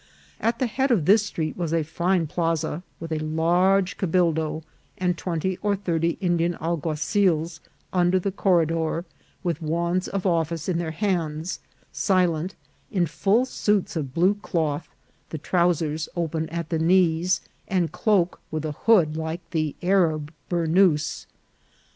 At the head of this street was a fine plaza, with a large cabildo, and twenty or thirty Indian alguazils under the corridor, with wands of office in their hands, silent, in full suits of blue cloth, the trousers open at the knees, and cloak with a hood like the Arab burnouse.